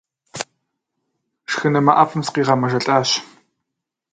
Шхынымэ ӏэфӏым сыкъигъэмэжэлӏащ.